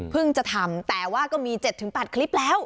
พึ่งจะทำแต่ว่าก็มีเจ็ดถึงบาทคลิปแล้ว